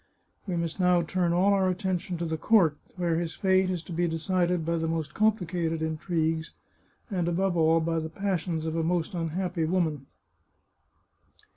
We must now turn all our attention to the court, where his fate is to be decided by the most complicated intrigues, and, above all, by the passions of a most unhappy woman.